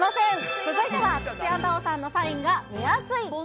続いては土屋太鳳さんのサインが見やすい！